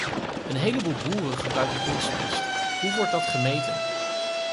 Een heleboel boeren gebruiken kunstmest, hoe wordt dat gemeten?